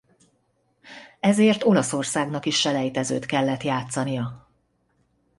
Ezért Olaszországnak is selejtezőt kellett játszania.